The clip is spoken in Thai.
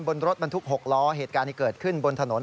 บนรถบรรทุก๖ล้อเหตุการณ์ที่เกิดขึ้นบนถนน